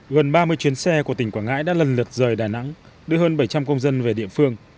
gần ba mươi chuyến xe của tỉnh quảng ngãi đã lần lượt rời đà nẵng đưa hơn bảy trăm linh công dân về địa phương